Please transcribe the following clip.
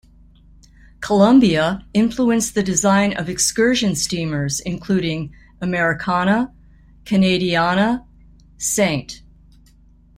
"Columbia" influenced the design of excursion steamers including "Americana", "Canadiana", "Ste.